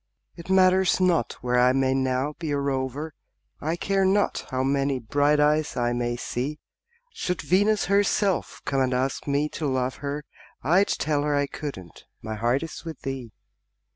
It matters not where I may now be a rover, I care not how many bright eyes I may see; Should Venus herself come and ask me to love her, I'd tell her I couldn't my heart is with thee.